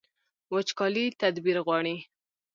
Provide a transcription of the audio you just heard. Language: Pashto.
وچکالي تدبیر غواړي